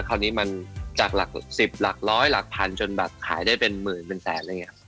คราวนี้มันจากหลัก๑๐หลักร้อยหลักพันจนแบบขายได้เป็นหมื่นเป็นแสนอะไรอย่างนี้